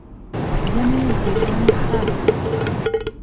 ونې د ژوند ساه ده.